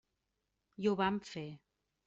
I ho vam fer.